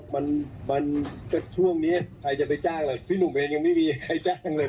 มันมันก็ช่วงนี้ใครจะไปจ้างล่ะพี่หนุ่มเองยังไม่มีใครจ้างเลย